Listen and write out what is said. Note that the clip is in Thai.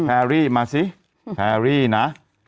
แพรรี่มาสิแพรรี่นะ